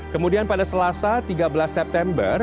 kemudian pada selasa tiga belas september